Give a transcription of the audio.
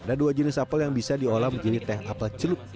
ada dua jenis apel yang bisa diolah menjadi teh apel celup